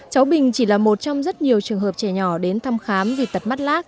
cháu bình chỉ là một trong rất nhiều trường hợp trẻ nhỏ đến thăm khám vì tật mắt lác